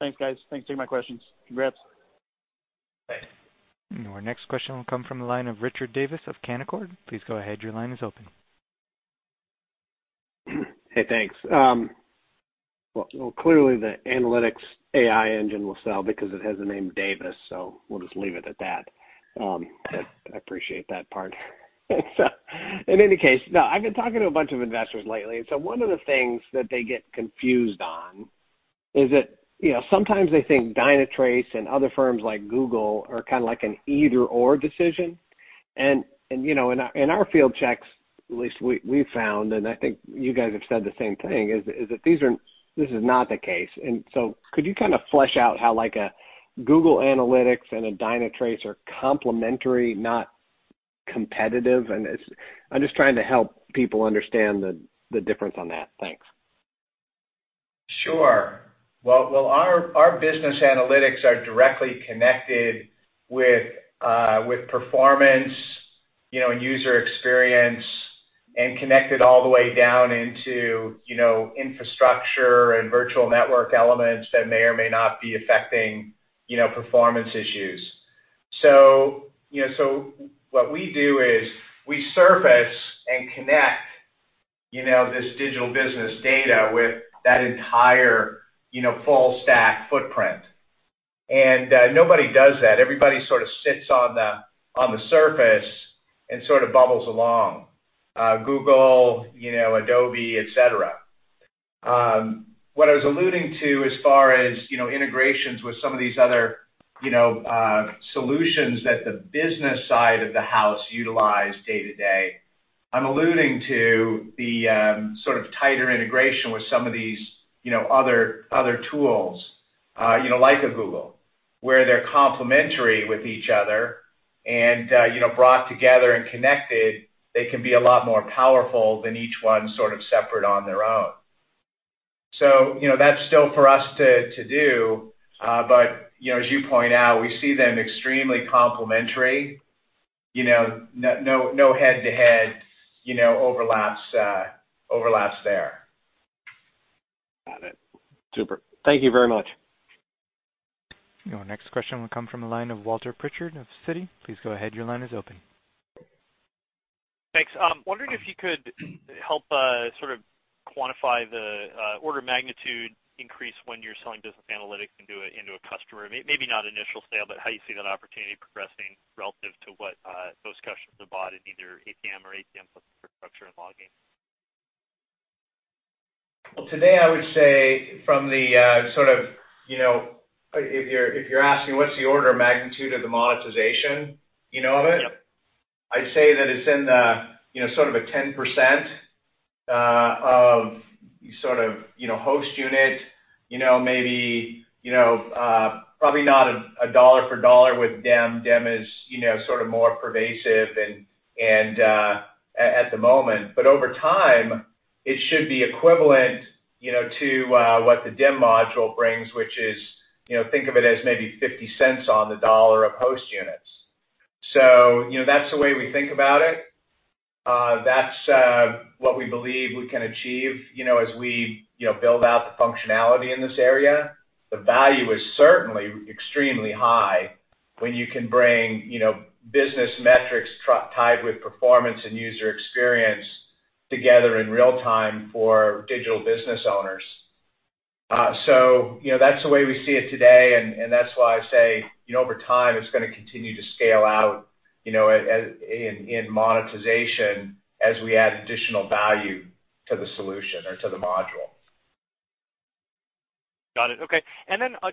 Thanks, guys. Thanks for taking my questions. Congrats. Thanks. Our next question will come from the line of Richard Davis of Canaccord. Please go ahead. Your line is open. Hey, thanks. Well, clearly, the analytics AI engine will sell because it has the name Davis, so we'll just leave it at that. I appreciate that part. In any case, no, I've been talking to a bunch of investors lately. One of the things that they get confused on is that sometimes they think Dynatrace and other firms like Google are kind of like an either/or decision. In our field checks, at least we've found, and I think you guys have said the same thing, is that this is not the case. Could you kind of flesh out how a Google Analytics and a Dynatrace are complementary, not competitive? I'm just trying to help people understand the difference on that. Thanks. Sure. Well, our business analytics are directly connected with performance, user experience, and connected all the way down into infrastructure and virtual network elements that may or may not be affecting performance issues. What we do is we surface and connect this digital business data with that entire full stack footprint. Nobody does that. Everybody sort of sits on the surface and sort of bubbles along, Google, Adobe, et cetera. What I was alluding to as far as integrations with some of these other solutions that the business side of the house utilize day-to-day, I'm alluding to the sort of tighter integration with some of these other tools, like a Google, where they're complementary with each other and, brought together and connected, they can be a lot more powerful than each one sort of separate on their own. That's still for us to do, but, as you point out, we see them extremely complementary. No head-to-head overlaps there. Got it. Super. Thank you very much. Your next question will come from the line of Walter Pritchard of Citi. Please go ahead, your line is open. Thanks. I'm wondering if you could help sort of quantify the order of magnitude increase when you're selling Digital Business Analytics into a customer. Maybe not initial sale, but how you see that opportunity progressing relative to what those customers have bought in either APM or APM plus infrastructure and logging. Well, today I would say, if you're asking what's the order of magnitude of the monetization of it. Yep I'd say that it's in the sort of a 10% of host unit, probably not a $1 for $1 with DEM. DEM is sort of more pervasive at the moment. Over time, it should be equivalent to what the DEM module brings, which is, think of it as maybe $0.50 on the dollar of host units. That's the way we think about it. That's what we believe we can achieve as we build out the functionality in this area. The value is certainly extremely high when you can bring business metrics tied with performance and user experience together in real time for digital business owners. That's the way we see it today, and that's why I say over time, it's going to continue to scale out in monetization as we add additional value to the solution or to the module. Got it. Okay.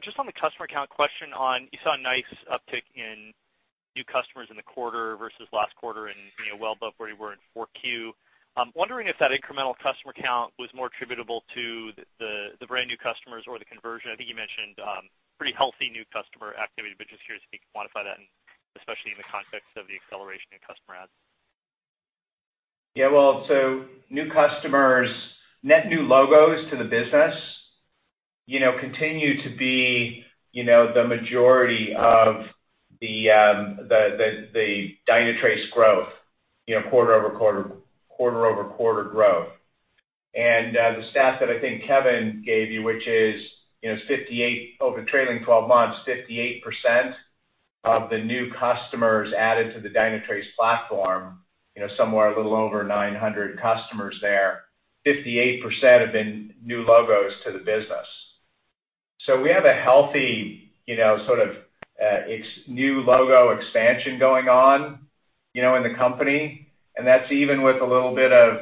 Just on the customer count question, you saw a nice uptick in new customers in the quarter versus last quarter and well above where you were in 4Q. I'm wondering if that incremental customer count was more attributable to the brand new customers or the conversion. I think you mentioned pretty healthy new customer activity, but just curious if you could quantify that, and especially in the context of the acceleration in customer adds. Yeah. New customers, net new logos to the business, continue to be the majority of the Dynatrace growth, quarter-over-quarter growth. The stat that I think Kevin gave you, which is over trailing 12 months, 58% of the new customers added to the Dynatrace platform, somewhere a little over 900 customers there, 58% have been new logos to the business. We have a healthy new logo expansion going on in the company, and that's even with a little bit of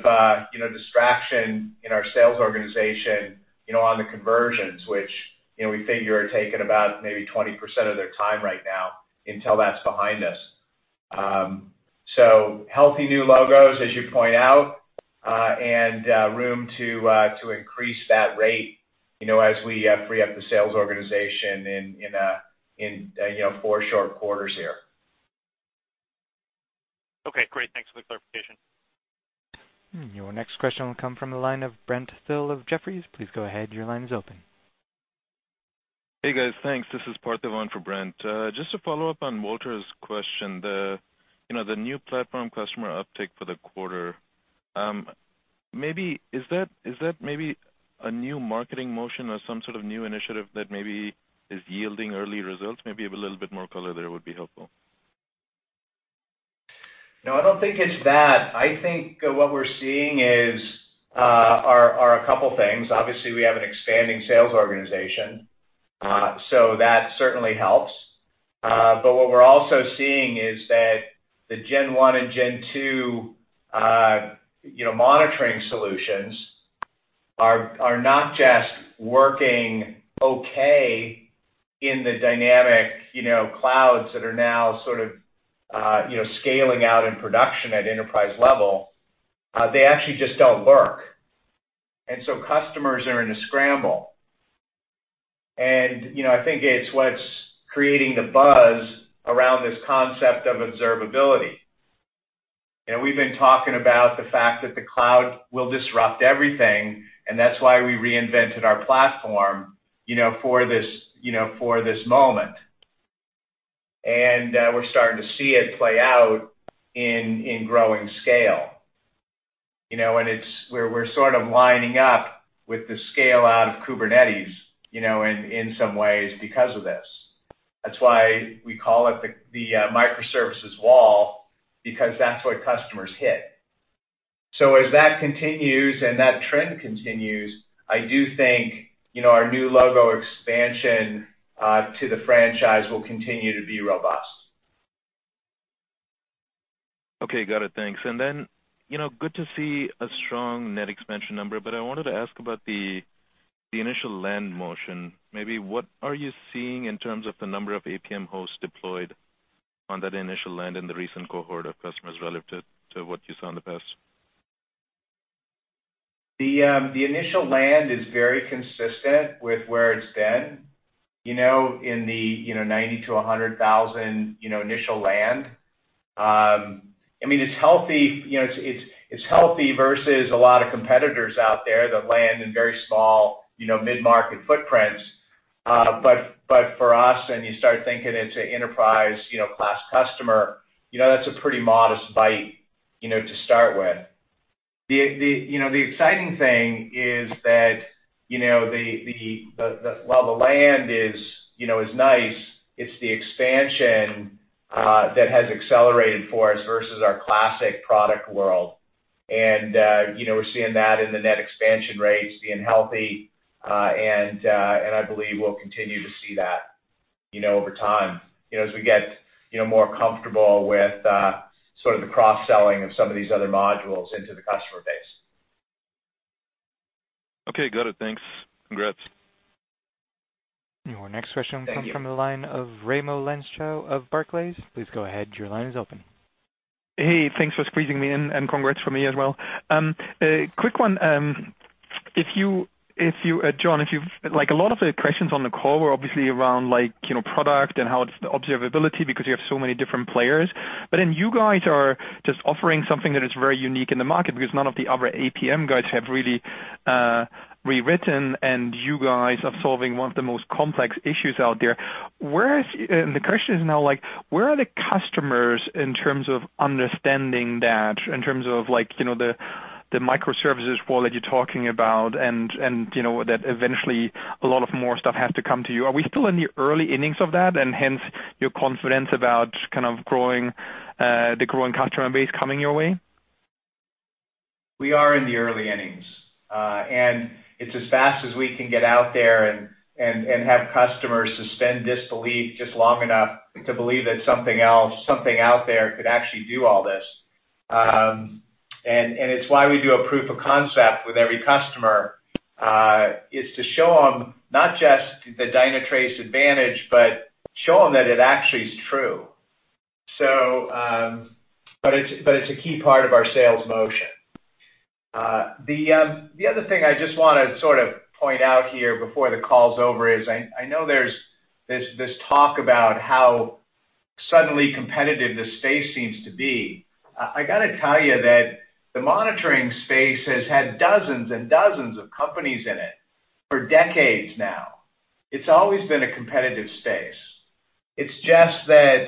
distraction in our sales organization on the conversions, which we figure are taking about maybe 20% of their time right now until that's behind us. Healthy new logos, as you point out, and room to increase that rate as we free up the sales organization in four short quarters here. Okay, great. Thanks for the clarification. Your next question will come from the line of Brent Thill of Jefferies. Please go ahead, your line is open. Hey, guys. Thanks. This is Pathriv Varadarajan for Brent. Just to follow up on Walter's question, the new platform customer uptake for the quarter. Is that maybe a new marketing motion or some sort of new initiative that maybe is yielding early results? Maybe a little bit more color there would be helpful. No, I don't think it's that. I think what we're seeing are a couple things. Obviously, we have an expanding sales organization, that certainly helps. What we're also seeing is that the Gen 1 and Gen 2 monitoring solutions are not just working okay in the dynamic clouds that are now sort of scaling out in production at enterprise level. They actually just don't work. Customers are in a scramble, and I think it's what's creating the buzz around this concept of observability. We've been talking about the fact that the cloud will disrupt everything, and that's why we reinvented our platform for this moment. We're starting to see it play out in growing scale. We're sort of lining up with the scale-out of Kubernetes in some ways because of this. That's why we call it the microservices wall, because that's what customers hit. As that continues and that trend continues, I do think our new logo expansion to the franchise will continue to be robust. Okay, got it. Thanks. Good to see a strong net expansion number. I wanted to ask about the initial land motion. What are you seeing in terms of the number of APM hosts deployed on that initial land in the recent cohort of customers relative to what you saw in the past? The initial land is very consistent with where it's been, in the $90,000-$100,000 initial land. It's healthy versus a lot of competitors out there that land in very small mid-market footprints. For us, when you start thinking it's an enterprise-class customer, that's a pretty modest bite to start with. The exciting thing is that while the land is nice, it's the expansion that has accelerated for us versus our classic product world. We're seeing that in the net expansion rates being healthy, and I believe we'll continue to see that over time as we get more comfortable with sort of the cross-selling of some of these other modules into the customer base. Okay, got it. Thanks. Congrats. Your next question. Thank you. comes from the line of Raimo Lenschow of Barclays. Please go ahead. Your line is open. Hey, thanks for squeezing me in, and congrats from me as well. A quick one. John, a lot of the questions on the call were obviously around product and how it's the observability because you have so many different players, but then you guys are just offering something that is very unique in the market because none of the other APM guys have really rewritten, and you guys are solving one of the most complex issues out there. The question is now, where are the customers in terms of understanding that, in terms of the microservices wall that you're talking about, and that eventually a lot of more stuff has to come to you? Are we still in the early innings of that, and hence your confidence about kind of the growing customer base coming your way? We are in the early innings. It's as fast as we can get out there and have customers suspend disbelief just long enough to believe that something out there could actually do all this. It's why we do a proof of concept with every customer, is to show them not just the Dynatrace advantage, but show them that it actually is true. It's a key part of our sales motion. The other thing I just want to sort of point out here before the call's over is I know there's this talk about how suddenly competitive this space seems to be. I got to tell you that the monitoring space has had dozens and dozens of companies in it for decades now. It's always been a competitive space. It's just that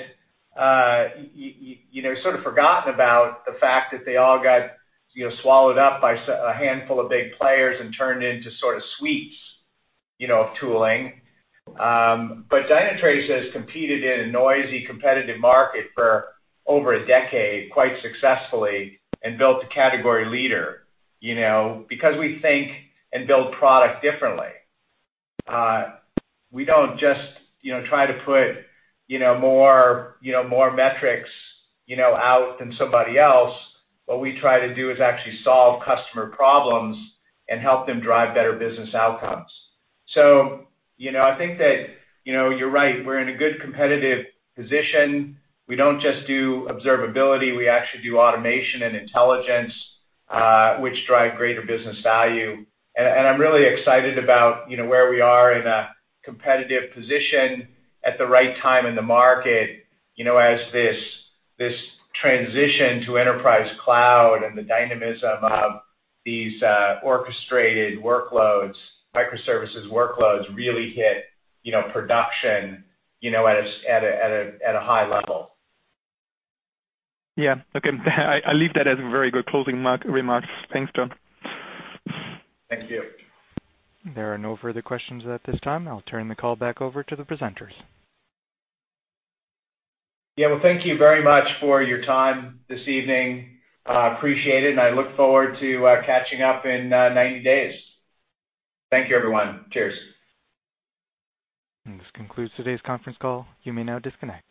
you sort of forgotten about the fact that they all got swallowed up by a handful of big players and turned into sort of suites of tooling. Dynatrace has competed in a noisy, competitive market for over a decade quite successfully and built a category leader, because we think and build product differently. We don't just try to put more metrics out than somebody else. What we try to do is actually solve customer problems and help them drive better business outcomes. I think that you're right, we're in a good competitive position. We don't just do observability, we actually do automation and intelligence, which drive greater business value. I'm really excited about where we are in a competitive position at the right time in the market, as this transition to enterprise cloud and the dynamism of these orchestrated workloads, microservices workloads, really hit production at a high level. Yeah. Okay. I leave that as a very good closing remark. Thanks, John. Thank you. There are no further questions at this time. I'll turn the call back over to the presenters. Yeah. Well, thank you very much for your time this evening. Appreciate it. I look forward to catching up in 90 days. Thank you, everyone. Cheers. This concludes today's conference call. You may now disconnect.